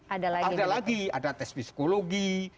ada lagi ada tes psikologi